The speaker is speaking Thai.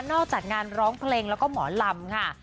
นอกจากงานร้องเพลงแล้วก็หมอลำ